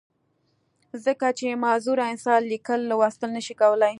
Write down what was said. ځکه چې معذوره انسان ليکل، لوستل نۀ شي کولی